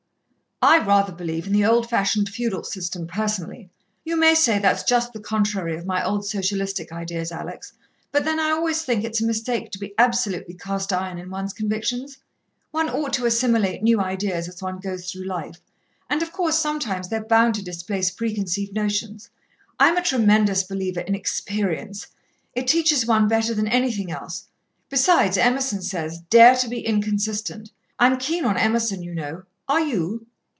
"I rather believe in the old fashioned feudal system, personally. You may say that's just the contrary of my old socialistic ideas, Alex, but then I always think it's a mistake to be absolutely cast iron in one's convictions. One ought to assimilate new ideas as one goes through life, and, of course, sometimes they're bound to displace preconceived notions. I'm a tremendous believer in experience; it teaches one better than anything else. Besides, Emerson says, 'Dare to be inconsistent.' I'm keen on Emerson, you know. Are you?"